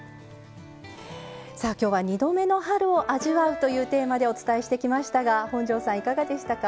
さあきょうは「２度目の春を味わう」というテーマでお伝えしてきましたが本上さんいかがでしたか？